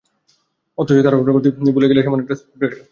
অথচ তাড়াহুড়া করতে গিয়ে ভুলেই গেল সামনে একটা স্পিড ব্রেকার আছে।